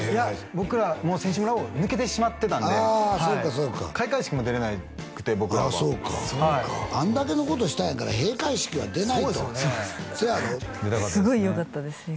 僕らもう選手村を抜けてしまってたんで開会式も出れなくて僕らはああそうかあんだけのことしたんやから閉会式は出ないとそうですね出たかったですね